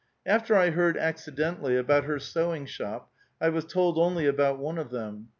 After I heard accidentally about her sewing shop, I was told only about one of them.